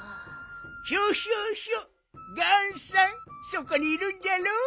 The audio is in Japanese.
そこにいるんじゃろう。